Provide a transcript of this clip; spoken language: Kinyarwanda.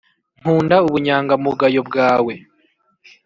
nkunda ubunyangamugayo bwawe